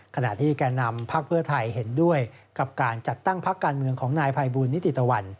ขณะที่แก่นำพักเพื่อไทยเห็นด้วยกับการจัดตั้งพักการเมืองของนายภัยบูลนิติตะวัน